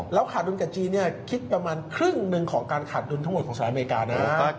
แล้วขาดดุลกับจีนคิดประมาณครึ่งหนึ่งของการขาดดุลทั้งหมดของสหรัฐอเมริกานะ